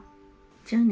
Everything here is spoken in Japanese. じゃあね。